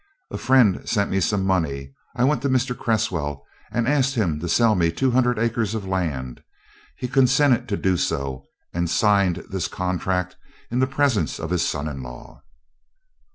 "A friend sent me some money. I went to Mr. Cresswell and asked him to sell me two hundred acres of land. He consented to do so and signed this contract in the presence of his son in law."